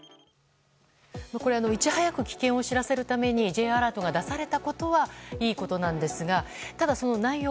いち早く危険を知らせるためにＪアラートが出されたことはいいことなんですがただ、その内容